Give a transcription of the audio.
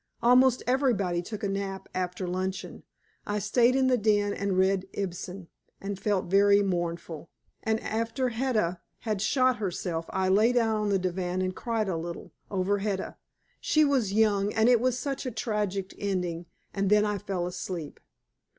Almost everybody took a nap after luncheon. I stayed in the den and read Ibsen, and felt very mournful. And after Hedda had shot herself, I lay down on the divan and cried a little over Hedda; she was young and it was such a tragic ending and then I fell asleep.